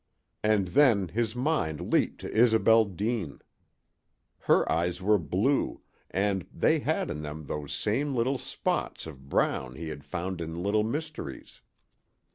And then his mind leaped to Isobel Deane. Her eyes were blue, and they had in them those same little spots of brown he had found in Little Mystery's.